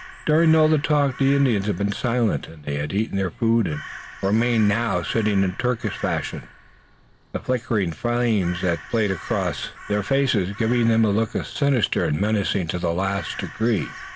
During all the talk the Indians had been silent. They had eaten their food and remained now, sitting in Turkish fashion, the flickering flames that played across their faces giving to them a look sinister and menacing to the last degree.